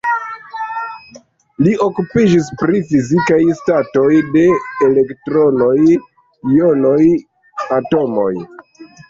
Li okupiĝas pri fizikaj statoj de elektronoj, jonoj, atomoj.